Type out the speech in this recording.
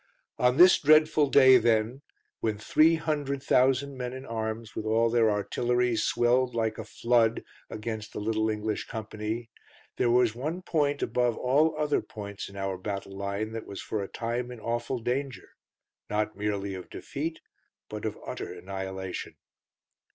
On this dreadful day, then, when three hundred thousand men in arms with all their artillery swelled like a flood against the little English company, there was one point above all other points in our battle line that was for a time in awful danger, not merely of defeat, but of utter annihilation.